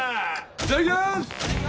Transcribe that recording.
いただきます